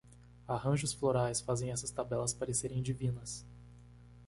Arranjos florais fazem essas tabelas parecerem divinas.